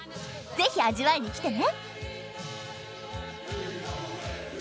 ぜひ味わいに来てね！